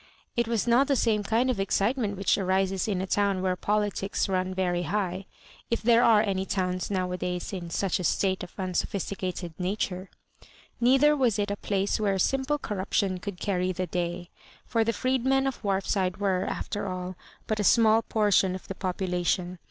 It was not the same kind of excitement which arises in a town where politics run very high— if there are any towns nowadays in such a state of unso phL<}ticated nature. Neitlier was it a place where simple corruption could carry the day; for the freedmen of Whar&ide were, after all, bat a small portion of the population.